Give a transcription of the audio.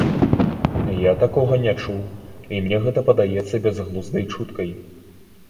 Я такога не чуў, і мне гэта падаецца бязглуздай чуткай.